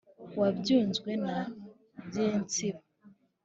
wa byunzwe na byintsibo,